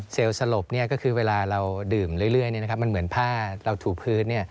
สลบก็คือเวลาเราดื่มเรื่อยมันเหมือนผ้าเราถูพื้น